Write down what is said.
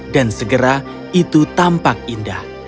dan segera itu tampak indah